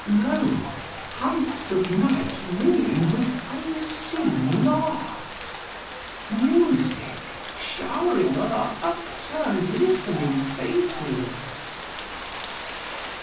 Lo ! Heights of night ringing with unseen larks : Music showering on our upturned listening faces.